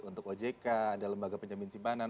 untuk ojk ada lembaga penjamin simpanan